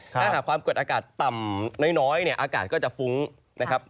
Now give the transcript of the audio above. ถ้าหากความกดอากาศต่ำน้อยเนี่ยอากาศก็จะฟุ้งนะครับ